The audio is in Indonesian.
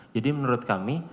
jadi menurut kami